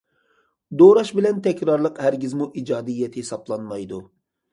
دوراش بىلەن تەكرارلىق ھەرگىزمۇ ئىجادىيەت ھېسابلانمايدۇ.